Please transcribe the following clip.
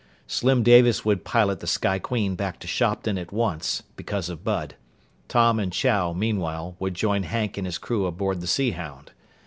Slim Davis would pilot the Sky Queen back to Shopton at once, because of Bud. Tom and Chow, meanwhile, would join Hank and his crew aboard the Sea Hound.